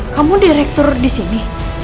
kamu direktur di sini